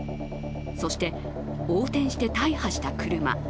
そして、横転して大破した車。